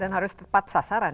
dan harus tepat sasaran